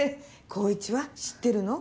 孝一は知ってるの？